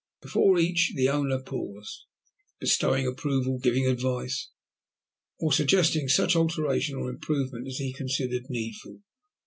Before each the owner paused, bestowing approval, giving advice, or suggesting such alteration or improvement as he considered needful.